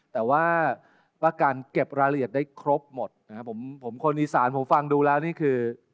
แต่ว่าประกันเก็บรายละเอียดได้ครบหมดนะครับผมผมคนอีสานผมฟังดูแล้วนี่คือ